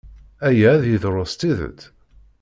Aya ad yeḍru s tidet?